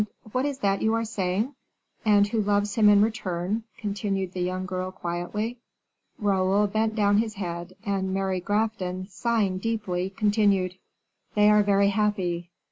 What is that you are saying?" "And who loves him in return," continued the young girl, quietly. Raoul bent down his head, and Mary Grafton, sighing deeply, continued, "They are very happy.